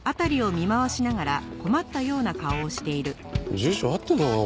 住所合ってんのかな？